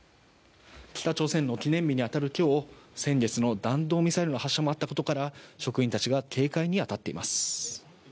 北朝鮮の記念日に当たるきょう先月の弾道ミサイルの発射もあったことから職員たちが警戒にあたっています。